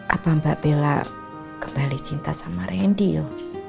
apa mbak bella kembali cinta sama ren dih yuk